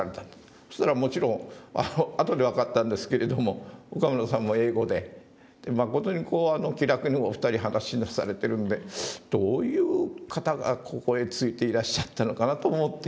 そしたらもちろん後で分かったんですけれども岡村さんも英語で誠にこう気楽にお二人話しなされてるんでどういう方がここへ付いていらっしゃったのかなと思って。